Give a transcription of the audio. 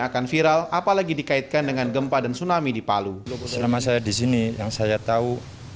akan viral apalagi dikaitkan dengan gempa dan tsunami di palu selama saya disini yang saya tahu